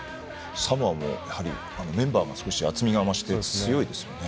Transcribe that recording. サモアもメンバーが少し厚みが増して強いですよね。